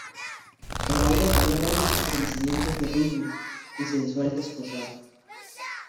el alba tenía largos estremecimientos de rubia y sensual desposada.